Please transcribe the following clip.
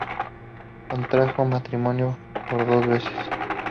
Contrajo matrimonio por dos veces.